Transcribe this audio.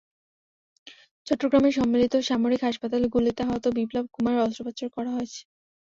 চট্টগ্রামে সম্মিলিত সামরিক হাসপাতালে গুলিতে আহত বিপ্লব কুমারের অস্ত্রোপচার করা হয়েছে।